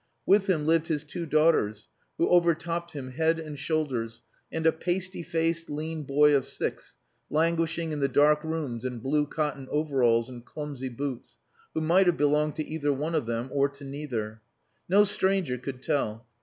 With him lived his two daughters, who overtopped him head and shoulders, and a pasty faced, lean boy of six, languishing in the dark rooms in blue cotton overalls and clumsy boots, who might have belonged to either one of them or to neither. No stranger could tell.